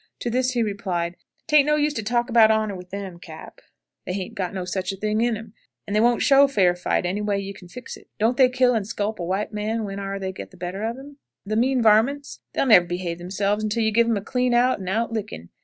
To this he replied, "Tain't no use to talk about honor with them, Cap.; they hain't got no such thing in um; and they won't show fair fight, any way you can fix it. Don't they kill and sculp a white man when ar they get the better on him? The mean varmints, they'll never behave themselves until you give um a clean out and out licking.